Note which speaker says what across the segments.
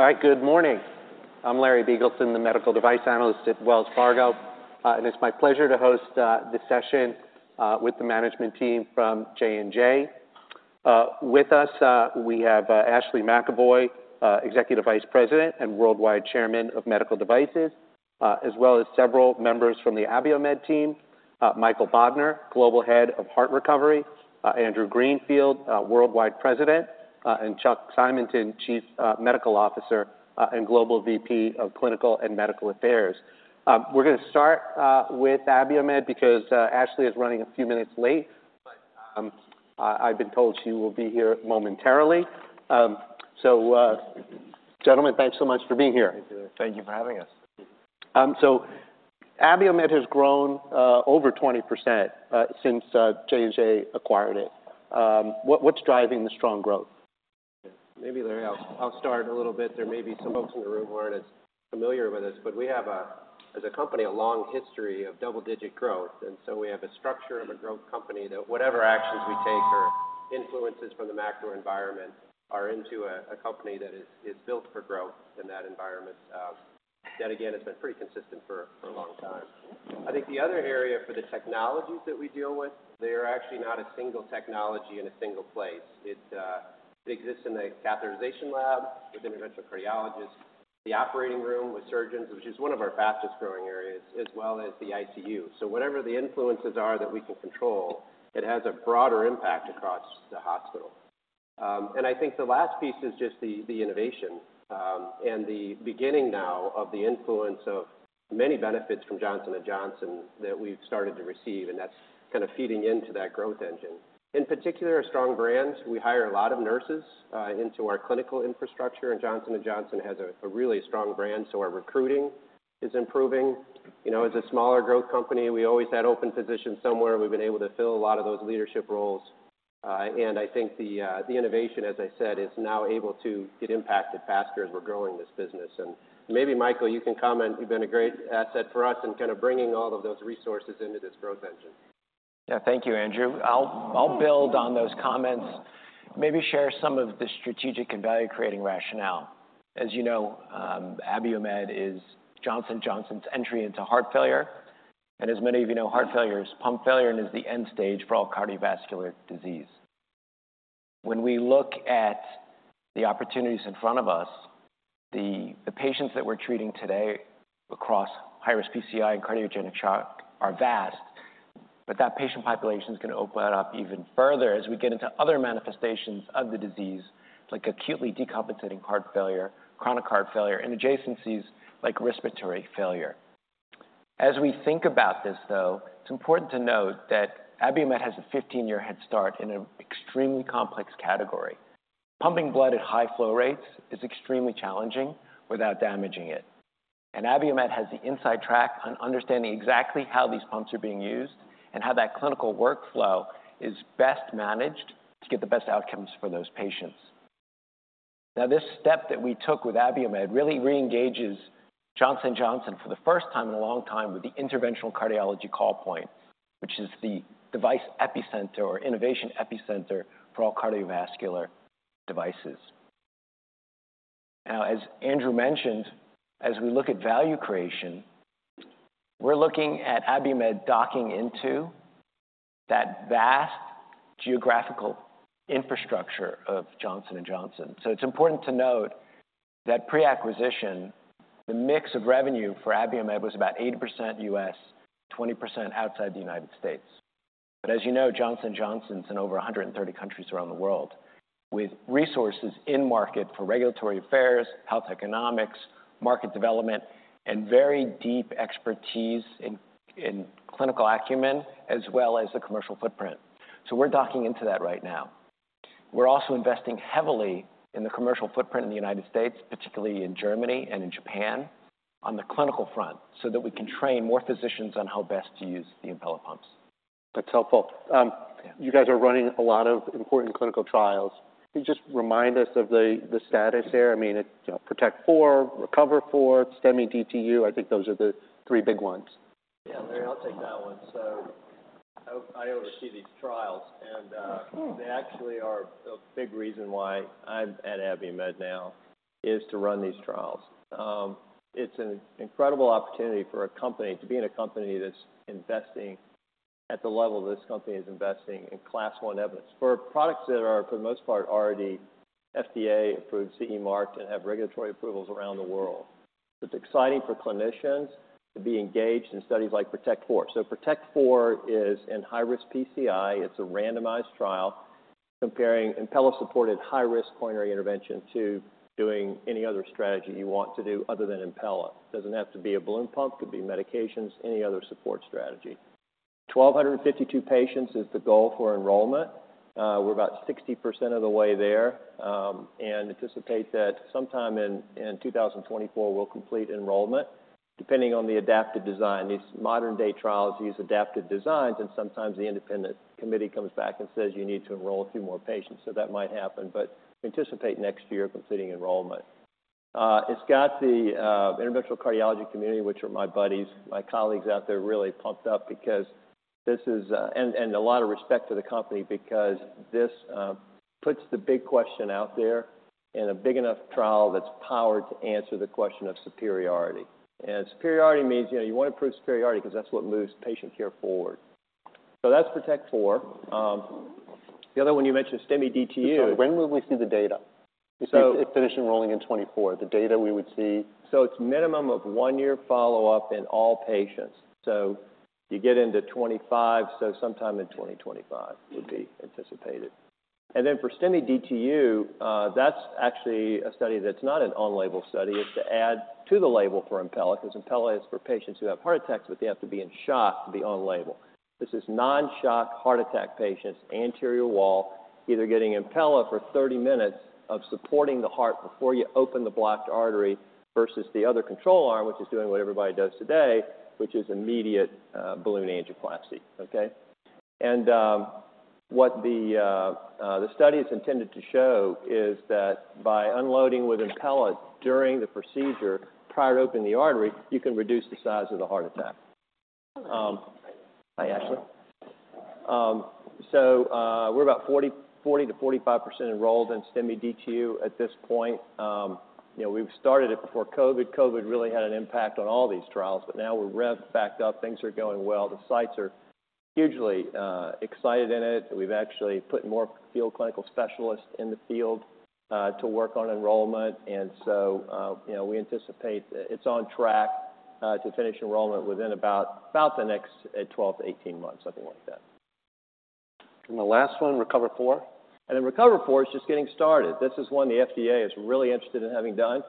Speaker 1: All right, good morning. I'm Larry Biegelsen, the Medical Device Analyst at Wells Fargo. It's my pleasure to host this session with the management team from J&J. With us, we have Ashley McEvoy, Executive Vice President and Worldwide Chairman of Medical Devices, as well as several members from the Abiomed team. Michael Bodner, Global Head of Heart Recovery, Andrew Greenfield, Worldwide President, and Chuck Simonton, Chief Medical Officer and Global VP of Clinical and Medical Affairs. We're gonna start with Abiomed because Ashley is running a few minutes late. I've been told she will be here momentarily. Gentlemen, thanks so much for being here.
Speaker 2: Thank you, Larry.
Speaker 3: Thank you for having us.
Speaker 1: So Abiomed has grown over 20% since J&J acquired it. What's driving the strong growth?
Speaker 2: Maybe, Larry, I'll start a little bit. There may be some folks in the room who aren't as familiar with this, but we have, as a company, a long history of double-digit growth. And so we have a structure of a growth company that whatever actions we take or influences from the macro environment are into a company that is built for growth in that environment. Then again, it's been pretty consistent for a long time. I think the other area for the technologies that we deal with, they are actually not a single technology in a single place. It exists in a catheterization lab with interventional cardiologists, the operating room with surgeons, which is one of our fastest-growing areas, as well as the ICU. So whatever the influences are that we can control, it has a broader impact across the hospital. I think the last piece is just the innovation, and the beginning now of the influence of many benefits from Johnson & Johnson that we've started to receive, and that's kind of feeding into that growth engine. In particular, our strong brands. We hire a lot of nurses into our clinical infrastructure, and Johnson & Johnson has a really strong brand, so our recruiting is improving. You know, as a smaller growth company, we always had open positions somewhere. We've been able to fill a lot of those leadership roles. And I think the innovation, as I said, is now able to get impacted faster as we're growing this business. And maybe, Michael, you can comment. You've been a great asset for us in kind of bringing all of those resources into this growth engine.
Speaker 3: Yeah. Thank you, Andrew. I'll build on those comments, maybe share some of the strategic and value-creating rationale. As you know, Abiomed is Johnson & Johnson's entry into heart failure, and as many of you know, heart failure is pump failure and is the end stage for all cardiovascular disease. When we look at the opportunities in front of us, the patients that we're treating today across high-risk PCI and cardiogenic shock are vast, but that patient population is gonna open that up even further as we get into other manifestations of the disease, like acutely decompensating heart failure, chronic heart failure, and adjacencies like respiratory failure. As we think about this though, it's important to note that Abiomed has a 15-year head start in an extremely complex category. Pumping blood at high flow rates is extremely challenging without damaging it, and Abiomed has the inside track on understanding exactly how these pumps are being used and how that clinical workflow is best managed to get the best outcomes for those patients. Now, this step that we took with Abiomed really reengages Johnson & Johnson for the first time in a long time with the interventional cardiology call point, which is the device epicenter or innovation epicenter for all cardiovascular devices. Now, as Andrew mentioned, as we look at value creation, we're looking at Abiomed docking into that vast geographical infrastructure of Johnson & Johnson. So it's important to note that pre-acquisition, the mix of revenue for Abiomed was about 80% U.S., 20% outside the United States. But as you know, Johnson & Johnson's in over 130 countries around the world, with resources in market for regulatory affairs, health economics, market development, and very deep expertise in clinical acumen, as well as the commercial footprint. So we're docking into that right now. We're also investing heavily in the commercial footprint in the United States, particularly in Germany and in Japan, on the clinical front, so that we can train more physicians on how best to use the Impella pumps.
Speaker 1: That's helpful.
Speaker 2: Yeah.
Speaker 1: You guys are running a lot of important clinical trials. Can you just remind us of the status there? I mean, you know, PROTECT IV, RECOVER IV, STEMI DTU. I think those are the three big ones.
Speaker 4: Yeah, Larry, I'll take that one. I oversee these trials, and they actually are a big reason why I'm at Abiomed now, is to run these trials. It's an incredible opportunity for a company to be in a company that's investing at the level this company is investing in Class One evidence for products that are, for the most part, already FDA-approved, CE marked, and have regulatory approvals around the world. It's exciting for clinicians to be engaged in studies like PROTECT IV. PROTECT IV is in high-risk PCI. It's a randomized trial comparing Impella-supported high-risk coronary intervention to doing any other strategy you want to do other than Impella. Doesn't have to be a balloon pump, could be medications, any other support strategy. 1,252 patients is the goal for enrollment. We're about 60% of the way there, and anticipate that sometime in 2024, we'll complete enrollment, depending on the adaptive design. These modern-day trials use adaptive designs, and sometimes the independent committee comes back and says, "You need to enroll a few more patients." So that might happen, but anticipate next year completing enrollment. It's got the interventional cardiology community, which are my buddies, my colleagues out there, really pumped up because this is, and a lot of respect to the company because this puts the big question out there in a big enough trial that's powered to answer the question of superiority. And superiority means, you know, you want to prove superiority because that's what moves patient care forward. So that's PROTECT IV. The other one you mentioned, STEMI-DTU.
Speaker 1: When will we see the data?
Speaker 4: So-
Speaker 1: It finished enrolling in 2024. The data we would see?
Speaker 4: So it's minimum of one-year follow-up in all patients. So you get into 25, so sometime in 2025 would be anticipated. And then for STEMI-DTU, that's actually a study that's not an on-label study. It's to add to the label for Impella, because Impella is for patients who have heart attacks, but they have to be in shock to be on label. This is non-shock, heart attack patients, anterior wall, either getting Impella for 30 minutes of supporting the heart before you open the blocked artery, versus the other control arm, which is doing what everybody does today, which is immediate balloon angioplasty. Okay? And what the study is intended to show is that by unloading with Impella during the procedure, prior to opening the artery, you can reduce the size of the heart attack. Hi, Ashley. So, we're about 40-45% enrolled in STEMI-DTU at this point. You know, we've started it before COVID. COVID really had an impact on all these trials, but now we're revved back up. Things are going well. The sites are hugely excited in it. We've actually put more field clinical specialists in the field to work on enrollment. And so, you know, we anticipate it's on track to finish enrollment within about the next 12-18 months, something like that.
Speaker 1: The last one, RECOVER IV.
Speaker 4: And then RECOVER IV is just getting started. This is one the FDA is really interested in having done.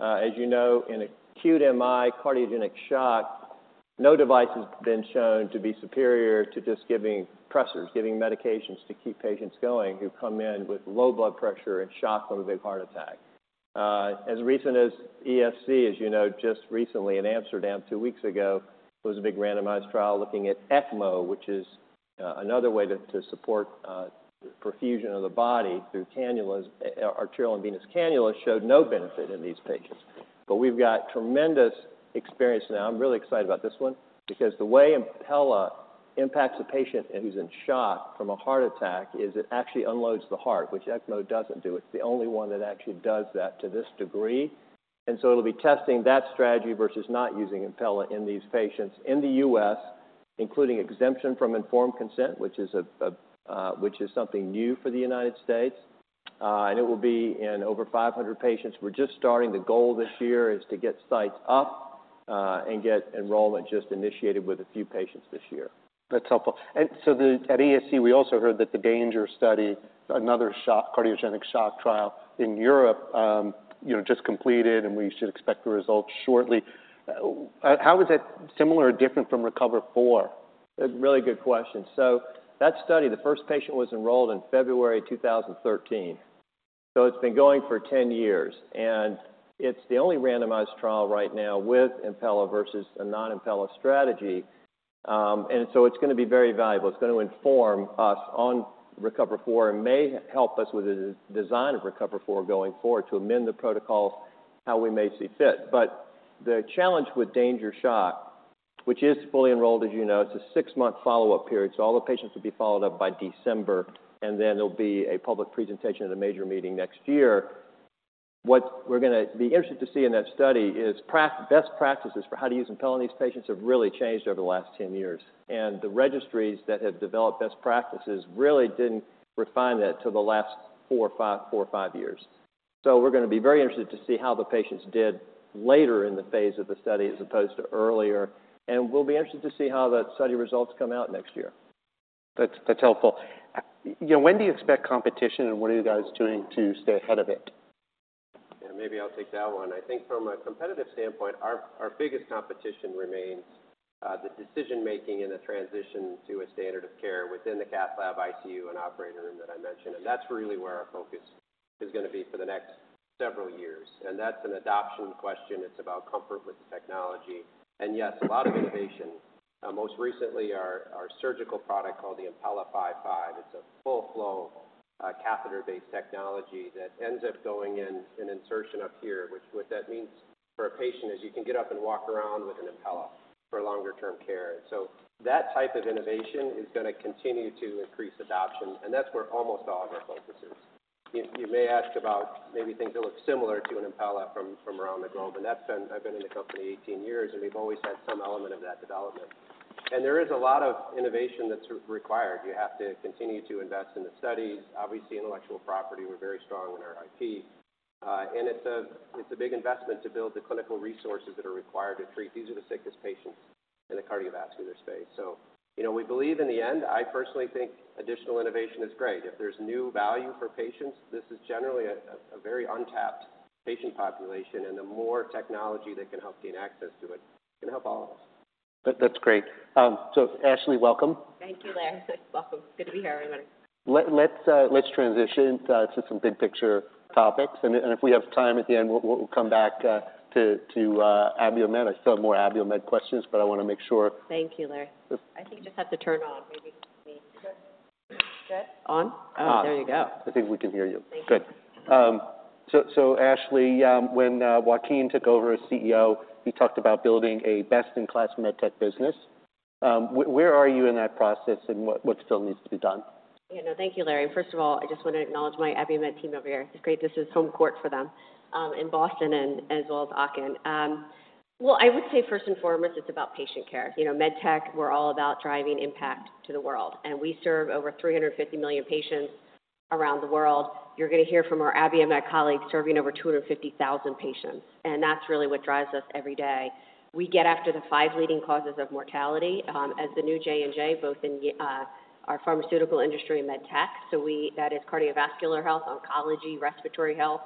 Speaker 4: As you know, in acute MI cardiogenic shock, no device has been shown to be superior to just giving pressers, giving medications to keep patients going who come in with low blood pressure and shock from a big heart attack. As recent as ESC, as you know, just recently in Amsterdam, two weeks ago, was a big randomized trial looking at ECMO, which is another way to support perfusion of the body through cannulas. Arterial and venous cannulas showed no benefit in these patients. But we've got tremendous experience now. I'm really excited about this one because the way Impella impacts a patient who's in shock from a heart attack is it actually unloads the heart, which ECMO doesn't do. It's the only one that actually does that to this degree. And so it'll be testing that strategy versus not using Impella in these patients in the U.S., including exemption from informed consent, which is something new for the United States, and it will be in over 500 patients. We're just starting. The goal this year is to get sites up and get enrollment just initiated with a few patients this year.
Speaker 1: That's helpful. And so at ASC, we also heard that the DanGer study, another shock, cardiogenic shock trial in Europe, you know, just completed, and we should expect the results shortly. How is that similar or different from RECOVER IV?
Speaker 4: That's a really good question. So that study, the first patient, was enrolled in February 2013, so it's been going for 10 years, and it's the only randomized trial right now with Impella versus a non-Impella strategy. And so it's going to be very valuable. It's going to inform us on RECOVER IV and may help us with the design of RECOVER IV going forward to amend the protocol, how we may see fit. But the challenge with DanGer Shock, which is fully enrolled, as you know, it's a six-month follow-up period. So all the patients will be followed up by December, and then there'll be a public presentation at a major meeting next year. What we're going to be interested to see in that study is best practices for how to use Impella in these patients have really changed over the last 10 years, and the registries that have developed best practices really didn't refine that till the last four, five, four or five years. So we're going to be very interested to see how the patients did later in the phase of the study as opposed to earlier. We'll be interested to see how that study results come out next year.
Speaker 1: That's, that's helpful. You know, when do you expect competition, and what are you guys doing to stay ahead of it?
Speaker 2: Yeah, maybe I'll take that one. I think from a competitive standpoint, our, our biggest competition remains the decision-making in the transition to a standard of care within the cath lab, ICU, and operating room that I mentioned, and that's really where our focus is going to be for the next several years. And that's an adoption question. It's about comfort with the technology and yes, a lot of innovation. Most recently, our, our surgical product, called the Impella 5.5. It's a full flow catheter-based technology that ends up going in an insertion up here. Which what that means for a patient is you can get up and walk around with an Impella for longer-term care. So that type of innovation is going to continue to increase adoption, and that's where almost all of our focus is. You may ask about maybe things that look similar to an Impella from around the globe, and that's been... I've been in the company 18 years, and we've always had some element of that development. There is a lot of innovation that's required. You have to continue to invest in the studies. Obviously, intellectual property, we're very strong in our IP, and it's a big investment to build the clinical resources that are required to treat. These are the sickest patients in the cardiovascular space. You know, we believe in the end, I personally think additional innovation is great. If there's new value for patients, this is generally a very untapped patient population, and the more technology that can help gain access to it can help all of us.
Speaker 1: That's great. So Ashley, welcome.
Speaker 5: Thank you, Larry. Welcome. Good to be here, everyone.
Speaker 1: Let's transition to some big-picture topics, and if we have time at the end, we'll come back to Abiomed. I still have more Abiomed questions, but I want to make sure-
Speaker 4: Thank you, Larry. I think you just have to turn off-...
Speaker 5: Good. On? Oh, there you go.
Speaker 1: I think we can hear you.
Speaker 5: Thank you.
Speaker 1: Good. So, Ashley, when Joaquin took over as CEO, he talked about building a best-in-class med tech business. Where are you in that process, and what still needs to be done?
Speaker 5: Yeah, no, thank you, Larry. First of all, I just want to acknowledge my Abiomed team over here. It's great. This is home court for them in Boston and as well as Aachen. Well, I would say first and foremost, it's about patient care. You know, med tech, we're all about driving impact to the world, and we serve over 350 million patients around the world. You're going to hear from our Abiomed colleagues serving over 250,000 patients, and that's really what drives us every day. We get after the five leading causes of mortality as the new J&J, both in our pharmaceutical industry and med tech. So that is cardiovascular health, oncology, respiratory health,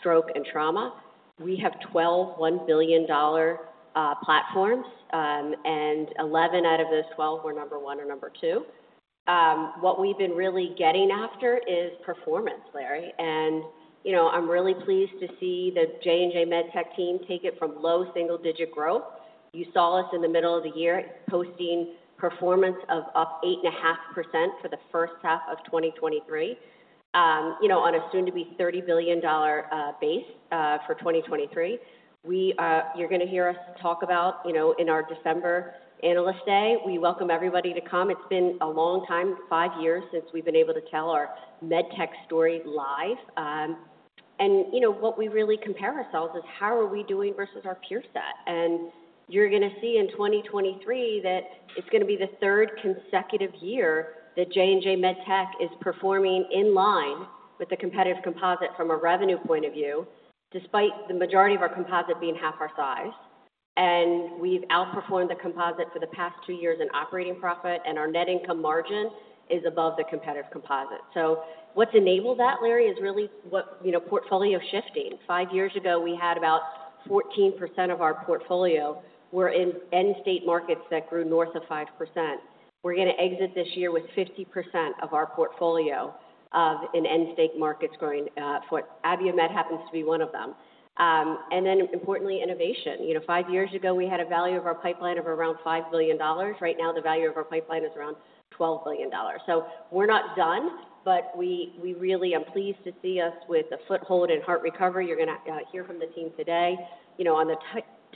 Speaker 5: stroke, and trauma. We have 12 $1 billion platforms, and 11 out of those 12 were number one or number two. What we've been really getting after is performance, Larry, and, you know, I'm really pleased to see the J&J MedTech team take it from low single-digit growth. You saw us in the middle of the year posting performance of up 8.5% for the first half of 2023. You know, on a soon-to-be $30 billion base for 2023. You're going to hear us talk about, you know, in our December Analyst Day. We welcome everybody to come. It's been a long time, five years, since we've been able to tell our MedTech story live. And you know, what we really compare ourselves is how are we doing versus our peer set? You're going to see in 2023 that it's going to be the third consecutive year that J&J MedTech is performing in line with the competitive composite from a revenue point of view, despite the majority of our composite being half our size. We've outperformed the composite for the past two years in operating profit, and our net income margin is above the competitive composite. What's enabled that, Larry, is really what, you know, portfolio shifting. Five years ago, we had about 14% of our portfolio were in end state markets that grew north of 5%. We're going to exit this year with 50% of our portfolio in end state markets growing. Abiomed happens to be one of them. And then importantly, innovation. You know, five years ago, we had a value of our pipeline of around $5 billion. Right now, the value of our pipeline is around $12 billion. So we're not done, but we, we really am pleased to see us with a foothold in heart recovery. You're going to hear from the team today. You know, on the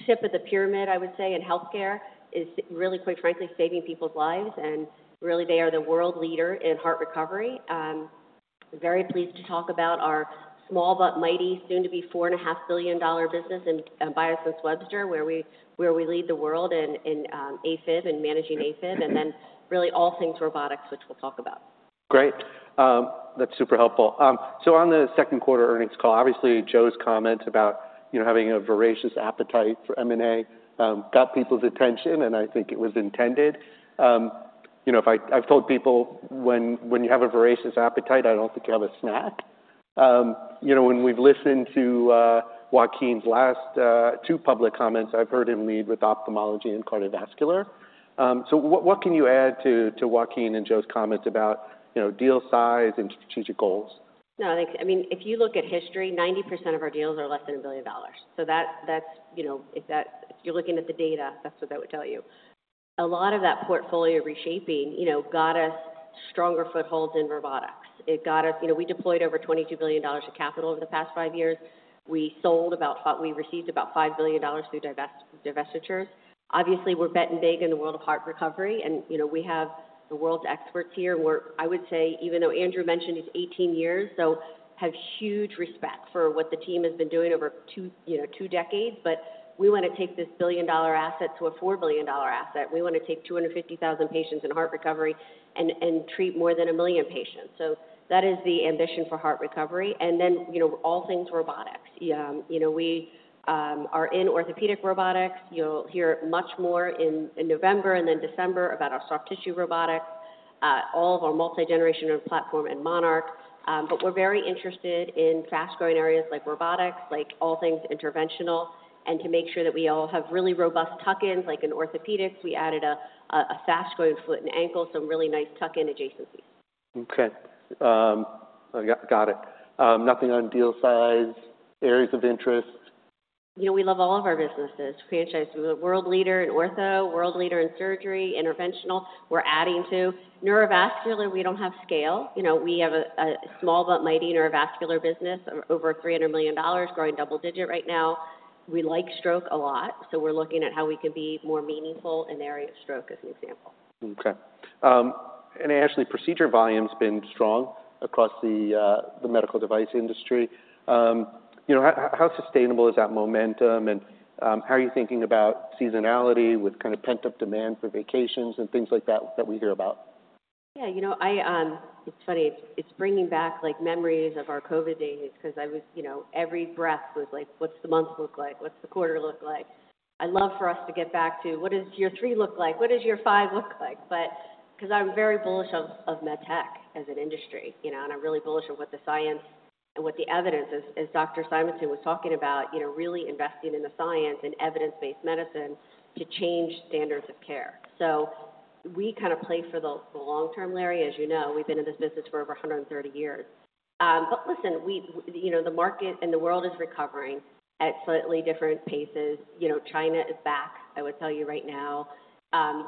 Speaker 5: tip of the pyramid, I would say, in healthcare is really, quite frankly, saving people's lives, and really, they are the world leader in heart recovery. Very pleased to talk about our small but mighty, soon-to-be $4.5 billion dollar business in Biosense Webster, where we, where we lead the world in, in, AFib and managing AFib, and then really all things robotics, which we'll talk about.
Speaker 1: Great. That's super helpful. So on the second quarter earnings call, obviously, Joe's comment about, you know, having a voracious appetite for M&A, got people's attention, and I think it was intended. You know, if I... I've told people when, when you have a voracious appetite, I don't think you have a snack. You know, when we've listened to, Joaquin's last, two public comments, I've heard him lead with ophthalmology and cardiovascular. So what, what can you add to, to Joaquin and Joe's comments about, you know, deal size and strategic goals?
Speaker 5: No, I think, I mean, if you look at history, 90% of our deals are less than $1 billion. So that's, you know, if that—if you're looking at the data, that's what that would tell you. A lot of that portfolio reshaping, you know, got us stronger footholds in robotics. It got us. You know, we deployed over $22 billion of capital in the past five years. We sold about—we received about $5 billion through divestitures. Obviously, we're betting big in the world of heart recovery, and you know, we have the world's experts here. We're, I would say, even though Andrew mentioned his 18 years, so have huge respect for what the team has been doing over two, you know, two decades. But we want to take this billion-dollar asset to a four billion dollar asset. We want to take 250,000 patients in heart recovery and treat more than 1 million patients. So that is the ambition for heart recovery. And then, you know, all things robotics. You know, we are in orthopedic robotics. You'll hear much more in November and then December about our soft tissue robotics, all of our multi-generational platform in MONARCH. But we're very interested in fast-growing areas like robotics, like all things interventional, and to make sure that we all have really robust tuck-ins, like in orthopedics. We added a fast-growing foot and ankle, some really nice tuck-in adjacencies.
Speaker 1: Okay. Yeah, got it. Nothing on deal size, areas of interest?
Speaker 5: You know, we love all of our businesses. We're a world leader in ortho, world leader in surgery, interventional. We're adding to neurovascular. We don't have scale. You know, we have a small but mighty neurovascular business, over $300 million, growing double-digit right now. We like stroke a lot, so we're looking at how we can be more meaningful in the area of stroke, as an example.
Speaker 1: Okay. Actually, procedure volume's been strong across the medical device industry. You know, how sustainable is that momentum, and how are you thinking about seasonality with kind of pent-up demand for vacations and things like that, that we hear about?
Speaker 5: Yeah, you know, I. It's funny. It's bringing back, like, memories of our COVID days because I was, you know, every breath was like: What's the month look like? What's the quarter look like? I'd love for us to get back to: What does year three look like? What does year five look like? But because I'm very bullish of med tech as an industry, you know, and I'm really bullish on what the science and what the evidence is. As Dr. Simonton was talking about, you know, really investing in the science and evidence-based medicine to change standards of care. So we kind of play for the long term, Larry. As you know, we've been in this business for over 130 years. But listen, we, you know, the market and the world is recovering at slightly different paces. You know, China is back, I would tell you right now.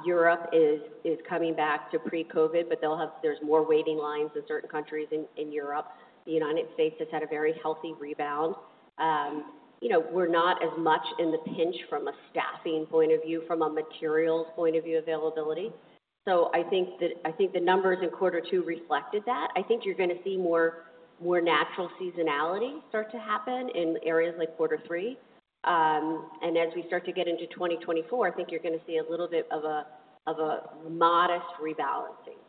Speaker 5: Europe is coming back to pre-COVID, but they'll have, there's more waiting lines in certain countries in Europe. The United States has had a very healthy rebound. You know, we're not as much in the pinch from a staffing point of view, from a materials point of view, availability. So I think the numbers in quarter two reflected that. I think you're going to see more natural seasonality start to happen in areas like quarter three. And as we start to get into 2024, I think you're going to see a little bit of a modest rebalancing.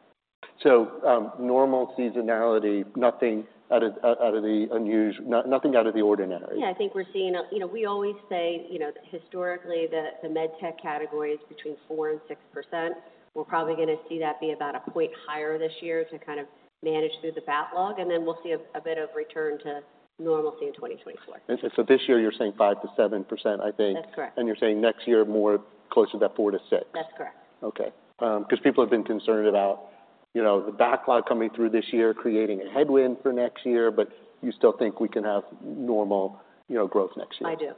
Speaker 1: Normal seasonality, nothing out of the unusual, nothing out of the ordinary?
Speaker 5: Yeah, I think we're seeing a—you know, we always say, you know, historically, the MedTech category is between 4%-6%. We're probably going to see that be about a point higher this year to kind of manage through the backlog, and then we'll see a bit of return to normalcy in 2024.
Speaker 1: And so this year you're saying 5%-7%, I think.
Speaker 5: That's correct.
Speaker 1: You're saying next year, more closer to that 4-6?
Speaker 5: That's correct.
Speaker 1: Okay. Because people have been concerned about, you know, the backlog coming through this year, creating a headwind for next year, but you still think we can have normal, you know, growth next year?
Speaker 5: I do.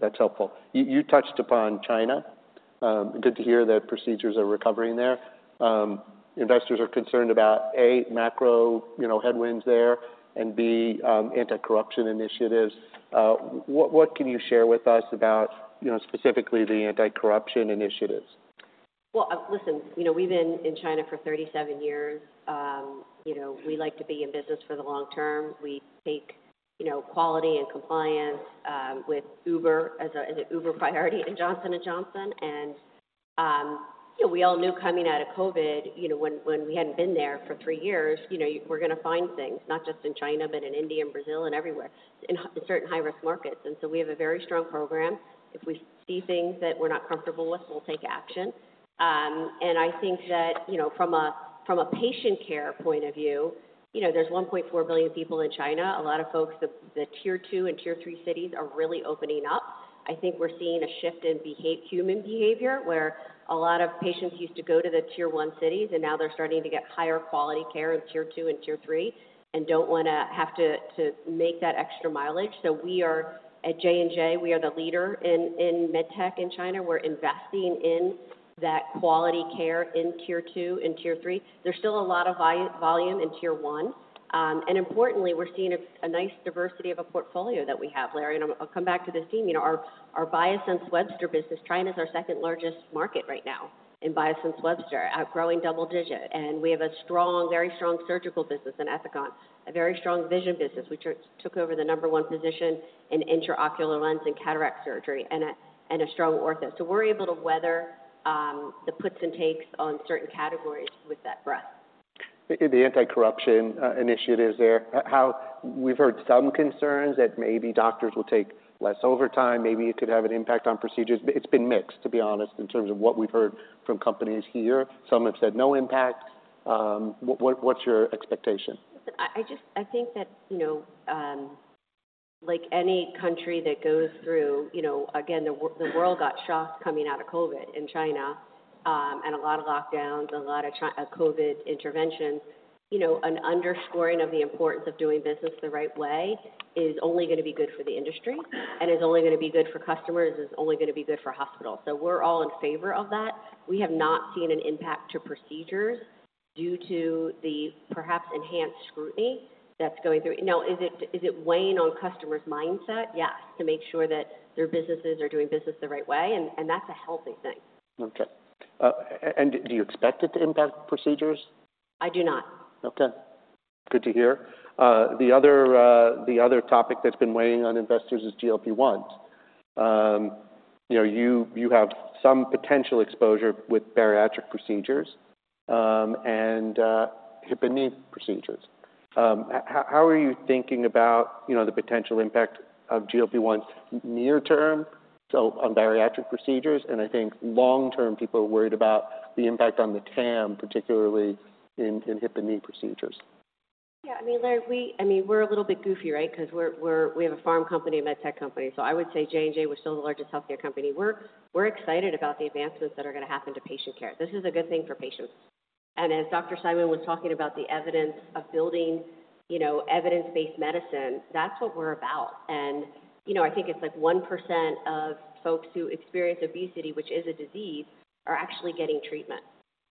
Speaker 1: That's helpful. You touched upon China. Good to hear that procedures are recovering there. Investors are concerned about, A, macro, you know, headwinds there, and B, anti-corruption initiatives. What can you share with us about, you know, specifically the anti-corruption initiatives?
Speaker 5: Well, listen, you know, we've been in China for 37 years. You know, we like to be in business for the long term. We take, you know, quality and compliance with utmost as an utmost priority in Johnson & Johnson. And, you know, we all knew coming out of COVID, you know, when we hadn't been there for three years, you know, you were gonna find things not just in China, but in India and Brazil and everywhere, in certain high-risk markets. And so we have a very strong program. If we see things that we're not comfortable with, we'll take action. And I think that, you know, from a patient care point of view, you know, there's 1.4 billion people in China. A lot of folks, tier two and tier three cities are really opening up. I think we're seeing a shift in human behavior, where a lot of patients used to go to the tier one cities, and now they're starting to get higher quality care in tier two and tier three and don't want to have to make that extra mileage. So we are, at J&J, we are the leader in med tech in China. We're investing in that quality care in tier two and tier three. There's still a lot of volume in tier one. And importantly, we're seeing a nice diversity of a portfolio that we have, Larry. And I'll come back to this theme. You know, our Biosense Webster business, China is our second-largest market right now in Biosense Webster, outgrowing double digits. And we have a strong, very strong surgical business in Ethicon, a very strong vision business, which took over the number one position in intraocular lens and cataract surgery, and a, and a strong orthos. So we're able to weather the puts and takes on certain categories with that breadth.
Speaker 1: The anti-corruption initiatives there, how we've heard some concerns that maybe doctors will take less overtime, maybe it could have an impact on procedures. But it's been mixed, to be honest, in terms of what we've heard from companies here. Some have said no impact. What's your expectation?
Speaker 5: I just think that, you know, like any country that goes through, you know. Again, the world got shocked coming out of COVID in China, and a lot of lockdowns, a lot of COVID interventions. You know, an underscoring of the importance of doing business the right way is only going to be good for the industry and is only going to be good for customers, is only going to be good for hospitals. So we're all in favor of that. We have not seen an impact to procedures due to the perhaps enhanced scrutiny that's going through. Now, is it weighing on customers' mindset? Yes, to make sure that their businesses are doing business the right way, and that's a healthy thing.
Speaker 1: Okay. Do you expect it to impact procedures?
Speaker 5: I do not.
Speaker 1: Okay. Good to hear. The other, the other topic that's been weighing on investors is GLP-1s. You know, you, you have some potential exposure with bariatric procedures, and hip and knee procedures. How, how are you thinking about, you know, the potential impact of GLP-1s near term, so on bariatric procedures? And I think long term, people are worried about the impact on the TAM, particularly in hip and knee procedures.
Speaker 5: Yeah, I mean, Larry, we, I mean, we're a little bit goofy, right? Because we're, we have a pharma company, a med tech company. So I would say J&J, we're still the largest healthcare company. We're excited about the advancements that are going to happen to patient care. This is a good thing for patients. And as Dr. Simonton was talking about the evidence of building, you know, evidence-based medicine, that's what we're about. And, you know, I think it's like 1% of folks who experience obesity, which is a disease, are actually getting treatment.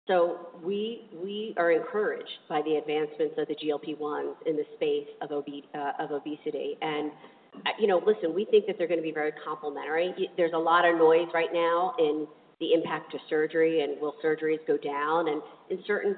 Speaker 5: So we are encouraged by the advancements of the GLP-1s in the space of obesity. And, you know, listen, we think that they're going to be very complementary. There's a lot of noise right now in the impact to surgery and will surgeries go down. In certain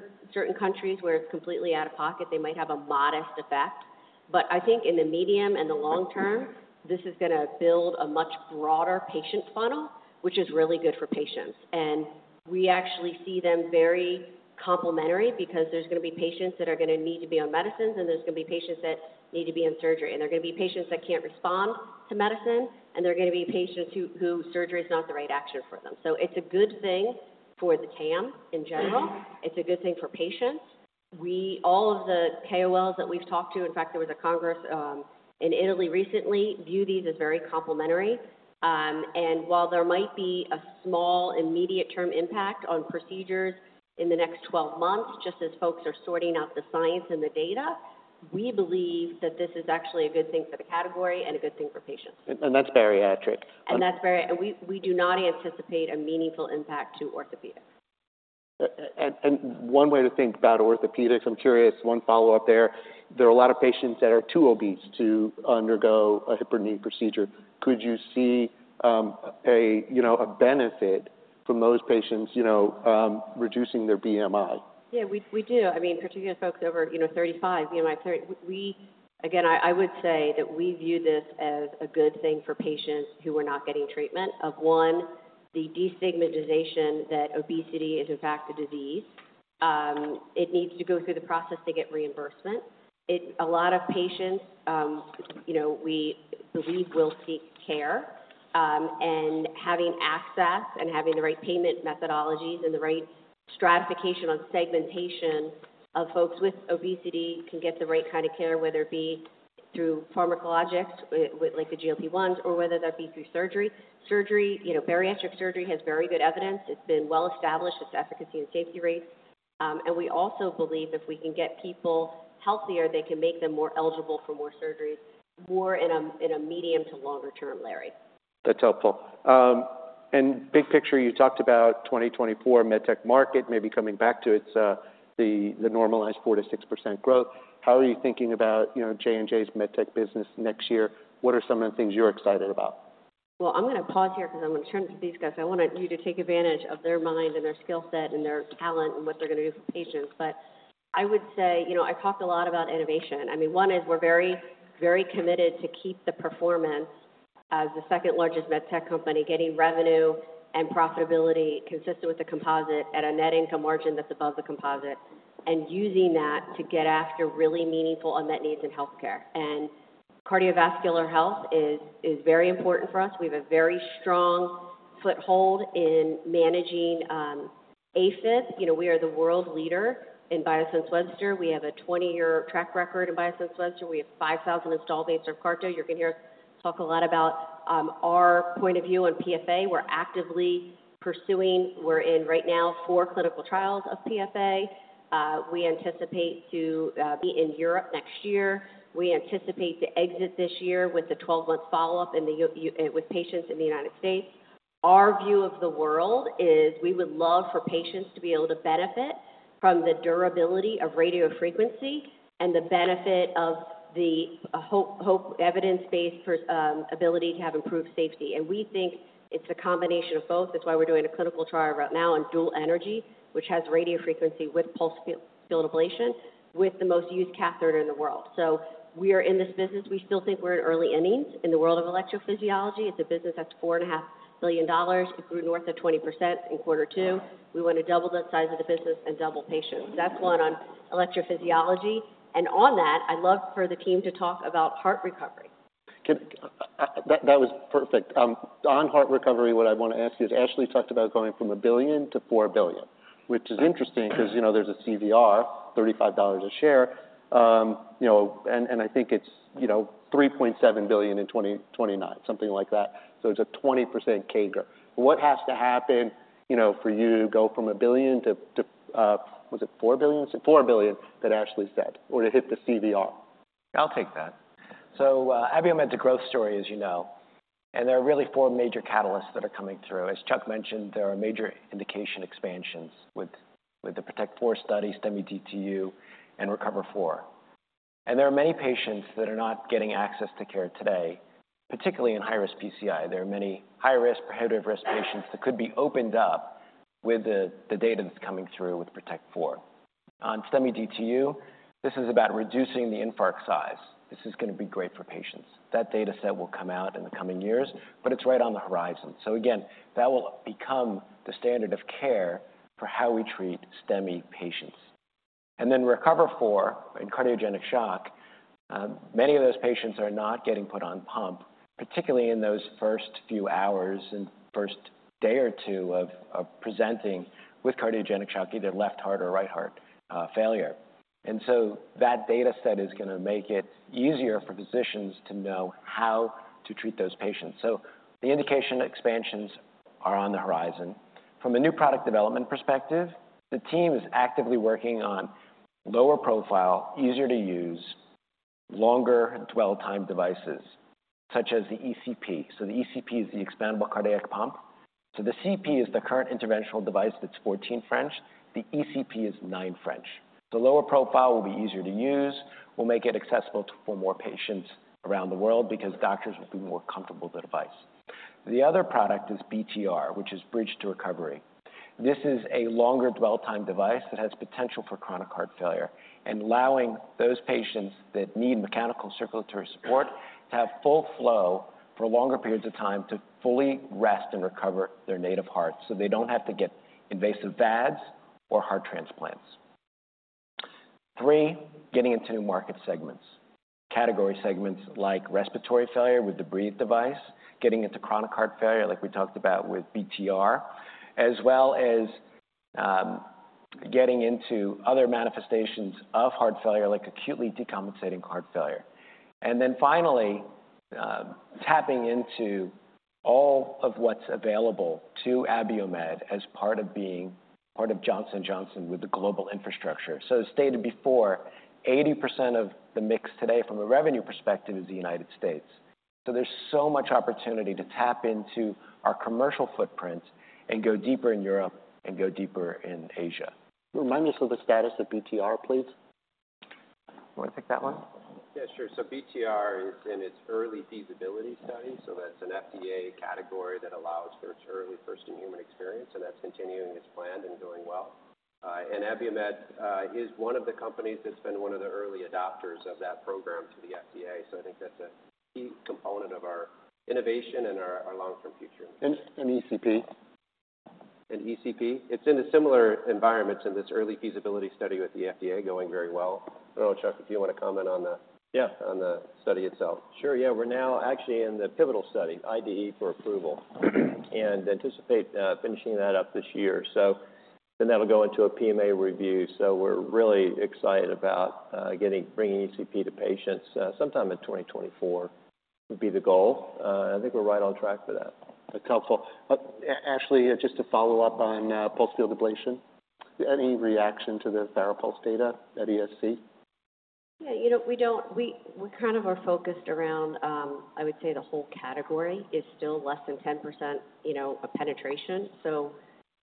Speaker 5: countries where it's completely out of pocket, they might have a modest effect. But I think in the medium and the long term, this is going to build a much broader patient funnel, which is really good for patients. And we actually see them very complementary because there's going to be patients that are going to need to be on medicines, and there's going to be patients that need to be in surgery, and there are going to be patients that can't respond to medicine, and there are going to be patients who surgery is not the right action for them. So it's a good thing for the TAM in general. It's a good thing for patients. We all of the KOLs that we've talked to, in fact, there was a congress in Italy recently, view these as very complementary. While there might be a small immediate-term impact on procedures in the next 12 months, just as folks are sorting out the science and the data, we believe that this is actually a good thing for the category and a good thing for patients.
Speaker 1: That's bariatric?
Speaker 5: We do not anticipate a meaningful impact to orthopedics.
Speaker 1: One way to think about orthopedics, I'm curious, one follow-up there. There are a lot of patients that are too obese to undergo a hip or knee procedure. Could you see, a, you know, a benefit from those patients, you know, reducing their BMI?
Speaker 5: Yeah, we do. I mean, particularly in folks over, you know, 35, BMI thir- we... Again, I would say that we view this as a good thing for patients who are not getting treatment. Of one, the destigmatization that obesity is, in fact, a disease. It needs to go through the process to get reimbursement. A lot of patients, you know, we believe will seek care. You know, and having access and having the right payment methodologies and the right stratification on segmentation of folks with obesity can get the right kind of care, whether it be through pharmacologic, with like the GLP-1s, or whether that be through surgery. Surgery, you know, bariatric surgery has very good evidence. It's been well established, its efficacy and safety rates. We also believe if we can get people healthier, they can make them more eligible for more surgeries, more in a medium- to longer-term, Larry.
Speaker 1: That's helpful. Big picture, you talked about 2024 MedTech market maybe coming back to its normalized 4%-6% growth. How are you thinking about, you know, J&J's MedTech business next year? What are some of the things you're excited about?
Speaker 5: Well, I'm gonna pause here because I'm gonna turn to these guys. I wanted you to take advantage of their mind and their skill set and their talent and what they're gonna do for patients. But I would say, you know, I talked a lot about innovation. I mean, one is we're very, very committed to keep the performance as the second-largest MedTech company, getting revenue and profitability consistent with the composite at a net income margin that's above the composite, and using that to get after really meaningful unmet needs in healthcare. And cardiovascular health is, is very important for us. We have a very strong foothold in managing AFib. You know, we are the world leader in Biosense Webster. We have a 20-year track record in Biosense Webster. We have 5,000 installed base of CARTO. You're gonna hear us talk a lot about our point of view on PFA. We're actively pursuing. We're in right now four clinical trials of PFA. We anticipate to be in Europe next year. We anticipate to exit this year with a 12-month follow-up with patients in the United States. Our view of the world is we would love for patients to be able to benefit from the durability of radiofrequency and the benefit of the hope evidence-based ability to have improved safety, and we think it's a combination of both. That's why we're doing a clinical trial right now on dual energy, which has radiofrequency with pulsed field ablation, with the most used catheter in the world. So we are in this business. We still think we're in early innings in the world of electrophysiology. It's a business that's $4.5 billion. It grew north of 20% in quarter two. We want to double the size of the business and double patients. That's one on electrophysiology, and on that, I'd love for the team to talk about heart recovery.
Speaker 1: That was perfect. On heart recovery, what I want to ask you is, Ashley talked about going from $1 billion to $4 billion, which is interesting because, you know, there's a CVR, $35 a share. You know, and I think it's, you know, $3.7 billion in 2029, something like that. So it's a 20% CAGR. What has to happen, you know, for you to go from $1 billion to was it $4 billion? $4 billion, that Ashley said, or to hit the CVR?
Speaker 3: I'll take that. So, Abiomed's a growth story, as you know, and there are really four major catalysts that are coming through. As Chuck mentioned, there are major indication expansions with the PROTECT IV studies, STEMI DTU, and RECOVER IV. And there are many patients that are not getting access to care today, particularly in high-risk PCI. There are many high-risk, prohibitive-risk patients that could be opened up with the data that's coming through with PROTECT IV. On STEMI DTU, this is about reducing the infarct size. This is gonna be great for patients. That data set will come out in the coming years, but it's right on the horizon. So again, that will become the standard of care for how we treat STEMI patients. Then RECOVER IV in cardiogenic shock, many of those patients are not getting put on pump, particularly in those first few hours and first day or two of presenting with cardiogenic shock, either left heart or right heart failure. And so that data set is gonna make it easier for physicians to know how to treat those patients. The indication expansions are on the horizon. From a new product development perspective, the team is actively working on lower profile, easier to use, longer dwell time devices, such as the ECP. The ECP is the expandable cardiac pump. The CP is the current interventional device that's 14 French. The ECP is nine French. The lower profile will be easier to use, will make it accessible to for more patients around the world because doctors will be more comfortable with the device. The other product is BTR, which is Bridge to Recovery. This is a longer dwell time device that has potential for chronic heart failure and allowing those patients that need mechanical circulatory support to have full flow for longer periods of time, to fully rest and recover their native heart, so they don't have to get invasive VADs or heart transplants. Three, getting into new market segments. Category segments like respiratory failure with the Breethe device, getting into chronic heart failure, like we talked about with BTR, as well as getting into other manifestations of heart failure, like acutely decompensating heart failure. And then finally, tapping into all of what's available to Abiomed as part of being part of Johnson & Johnson with the global infrastructure. So as stated before, 80% of the mix today from a revenue perspective is the United States. There's so much opportunity to tap into our commercial footprint and go deeper in Europe and go deeper in Asia.
Speaker 1: Remind us of the status of BTR, please.
Speaker 3: You want to take that one?
Speaker 2: Yeah, sure. So BTR is in its early feasibility study, so that's an FDA category that allows for its early first in-human experience, and that's continuing as planned and doing well. And Abiomed is one of the companies that's been one of the early adopters of that program to the FDA. So I think that's a key component of our innovation and our, our long-term future.
Speaker 1: And ECP?
Speaker 2: And ECP? It's in a similar environment in this early feasibility study with the FDA going very well. I don't know, Chuck, if you want to comment on the-
Speaker 4: Yes.
Speaker 2: on the study itself.
Speaker 4: Sure. Yeah, we're now actually in the pivotal study, IDE for approval, and anticipate finishing that up this year. So then that'll go into a PMA review. So we're really excited about getting ECP to patients sometime in 2024 would be the goal. I think we're right on track for that.
Speaker 1: That's helpful. Ashley, just to follow up on pulsed field ablation, any reaction to the FARAPULSE data at ESC?
Speaker 5: Yeah, you know, we don't... We, we kind of are focused around, I would say, the whole category is still less than 10%, you know, of penetration. So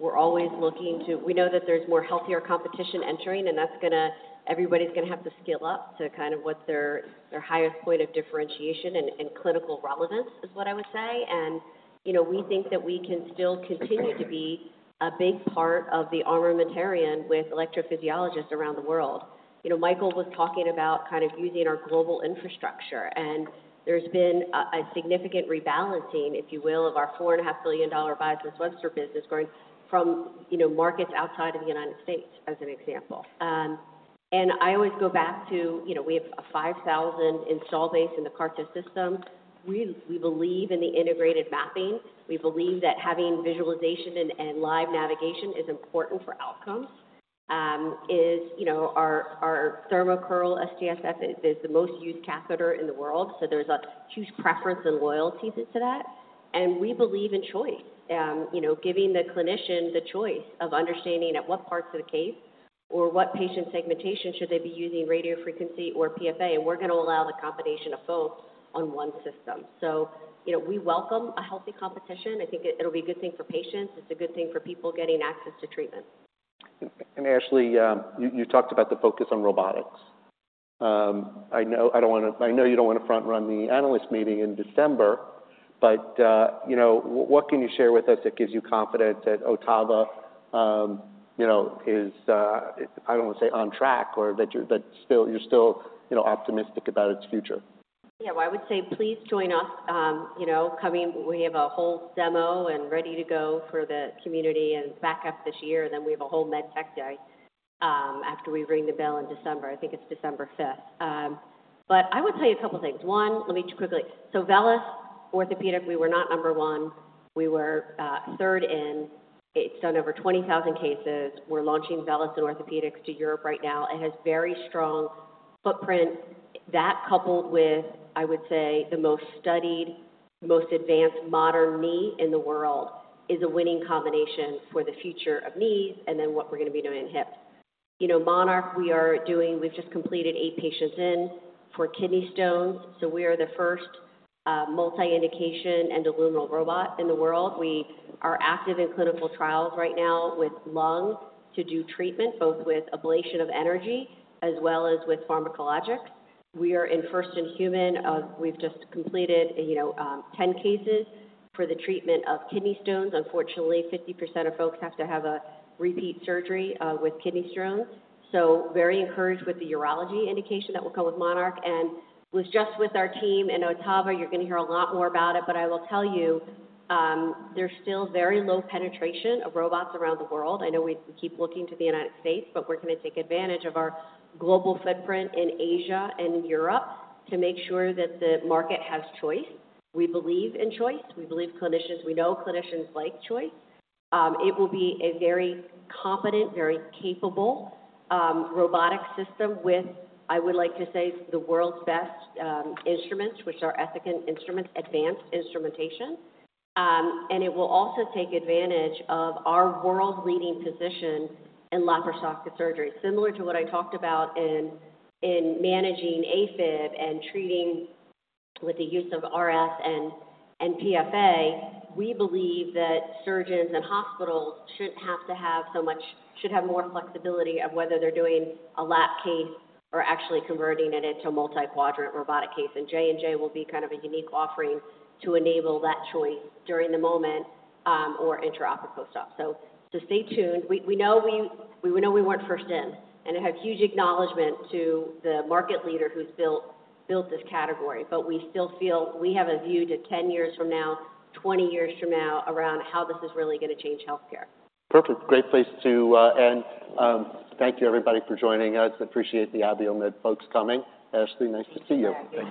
Speaker 5: we're always looking to- We know that there's more healthier competition entering, and that's gonna... Everybody's gonna have to scale up to kind of what their, their highest point of differentiation and, and clinical relevance is what I would say. And, you know, we think that we can still continue to be a big part of the armamentarium with electrophysiologists around the world. You know, Michael was talking about kind of using our global infrastructure, and there's been a, a significant rebalancing, if you will, of our $4.5 billion Biosense Webster business going from, you know, markets outside of the United States, as an example. And I always go back to, you know, we have a 5,000 install base in the CARTO system. We believe in the integrated mapping. We believe that having visualization and live navigation is important for outcomes. You know, our THERMOCOOL SMARTTOUCH SF is the most used catheter in the world, so there's a huge preference and loyalties to that, and we believe in choice. You know, giving the clinician the choice of understanding at what parts of the case or what patient segmentation should they be using radiofrequency or PFA, and we're going to allow the combination of both on one system. So, you know, we welcome a healthy competition. I think it, it'll be a good thing for patients. It's a good thing for people getting access to treatment.
Speaker 1: Ashley, you talked about the focus on robotics. I know I don't want to... I know you don't want to front-run the analyst meeting in December, but, you know, what can you share with us that gives you confidence that OTTAVA, you know, is, I don't want to say on track or that you're still, you know, optimistic about its future?
Speaker 5: Yeah. Well, I would say please join us. You know, coming we have a whole demo and ready to go for the community and back half this year, and then we have a whole MedTech day, after we ring the bell in December. I think it's December fifth. But I would tell you a couple of things. One, let me quickly... So VELYS Orthopaedics, we were not number one. We were third in. It's done over 20,000 cases. We're launching VELYS in orthopedics to Europe right now. It has very strong footprint. That coupled with, I would say, the most studied, most advanced modern knee in the world, is a winning combination for the future of knees and then what we're going to be doing in hips. You know, MONARCH, we are doing... We've just completed eight patients in for kidney stones. So we are the first, multi-indication endoluminal robot in the world. We are active in clinical trials right now with lung to do treatment, both with ablation of energy as well as with pharmacologics. We are in first-in-human. We've just completed, you know, 10 cases for the treatment of kidney stones. Unfortunately, 50% of folks have to have a repeat surgery, with kidney stones. So very encouraged with the urology indication that will come with MONARCH and was just with our team in OTTAVA. You're going to hear a lot more about it, but I will tell you, there's still very low penetration of robots around the world. I know we keep looking to the United States, but we're going to take advantage of our global footprint in Asia and Europe to make sure that the market has choice. We believe in choice. We believe clinicians, we know clinicians like choice. It will be a very competent, very capable, robotic system with, I would like to say, the world's best, instruments, which are Ethicon instruments, advanced instrumentation. And it will also take advantage of our world-leading position in laparoscopic surgery. Similar to what I talked about in managing AFib and treating with the use of RF and PFA, we believe that surgeons and hospitals shouldn't have to have so much, should have more flexibility of whether they're doing a lap case or actually converting it into a multi-quadrant robotic case. And J&J will be kind of a unique offering to enable that choice during the moment, or intra-operative post-op. So, stay tuned. We know we weren't first in, and I have huge acknowledgment to the market leader who's built this category, but we still feel we have a view to 10 years from now, 20 years from now, around how this is really going to change healthcare.
Speaker 1: Perfect. Great place to end. Thank you, everybody, for joining us. I appreciate the Abiomed folks coming. Ashley, nice to see you.